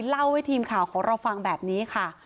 เล่าให้ทีมข่าวของเราฟังแบบนี้ค่ะ